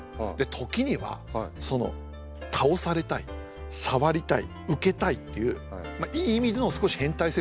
時にはその倒されたい触りたい受けたいっていういい意味での少し変態性も出るぐらい。